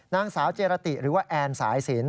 นางสาวเจรติหรือว่าแอนสายสิน